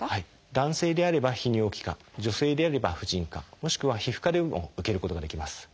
男性であれば泌尿器科女性であれば婦人科もしくは皮膚科でも受けることができます。